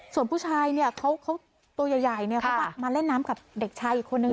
ส่วนผู้ชายเนี่ยเขาตัวใหญ่เขาก็มาเล่นน้ำกับเด็กชายอีกคนนึง